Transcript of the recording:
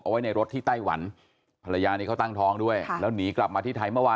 ไว้ในรถที่ไต้หวันภรรยานี้เขาตั้งท้องด้วยแล้วหนีกลับมาที่ไทยเมื่อวาน